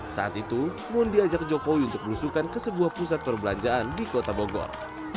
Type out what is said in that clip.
saat itu mun diajak jokowi untuk berusukan ke sebuah pusat perbelanjaan di kota bogor